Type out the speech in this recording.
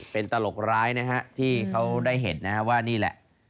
เป็นตลกร้ายนะฮะที่เขาได้เห็นนะฮะว่านี่แหละ